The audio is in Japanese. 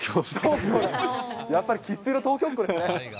やっぱり生っ粋の東京っ子ですね。